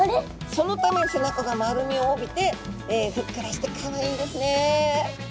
そのため背中が丸みを帯びてふっくらしてかわいいんですね。